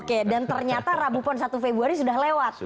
oke dan ternyata rabu pon satu februari sudah lewat